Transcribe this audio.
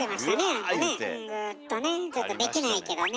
あれねグーッとねちょっとできないけどね